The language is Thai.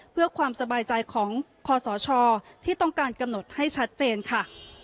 เพื่อความสบายใจของคอสชที่ต้องการกำหนดให้ชัดเจนค่ะ